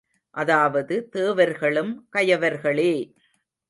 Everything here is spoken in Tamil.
அதாவது தேவர்களும் கயவர்களே!